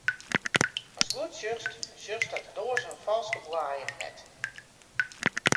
Ast goed sjochst, dan sjochst dat de doaze in falske boaiem hat.